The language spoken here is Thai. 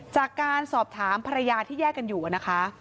จากการสอบถามภรรยาที่แยกกันอยู่นะคะ